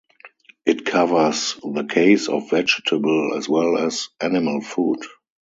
It covers the case of vegetable as well as animal food.